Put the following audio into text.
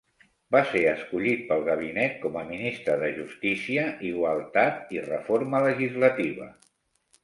Va ser escollit pel gabinet com a Ministre de justícia, igualtat i reforma legislativa.